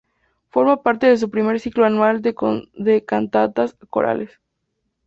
Forma parte de su primer ciclo anual de cantatas corales.